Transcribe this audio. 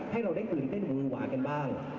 ให้เราได้กลืนเต้นหูหวากันบ้าง